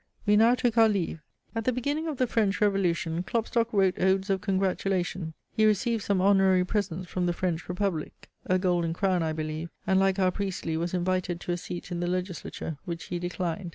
We now took our leave. At the beginning of the French Revolution Klopstock wrote odes of congratulation. He received some honorary presents from the French Republic, (a golden crown I believe), and, like our Priestley, was invited to a seat in the legislature, which he declined.